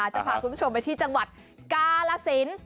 จะพาคุณผู้ชมไปที่จังหวัดกาลสิน